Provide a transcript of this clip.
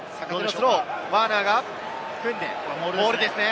ワーナーが組んでモールですね。